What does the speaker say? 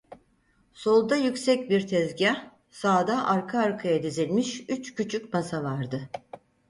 Solda yüksek bir tezgâh, sağda arka arkaya dizilmiş üç küçük masa vardı.